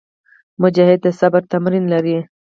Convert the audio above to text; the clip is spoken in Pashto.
مجاهد د صبر تمرین لري.